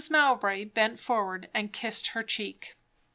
Mowbray bent forward and kissed her cheek.